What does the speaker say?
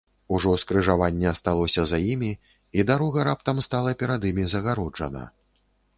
Ужо скрыжаванне асталося за імі, і дарога раптам стала перад імі загароджана.